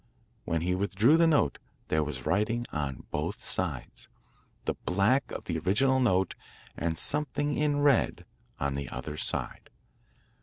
When he withdrew the note, there was writing on both sides, the black of the original note and something in red on the other side.